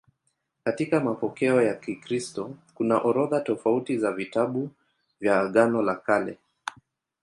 Katika mapokeo ya Kikristo kuna orodha tofauti za vitabu vya Agano la Kale.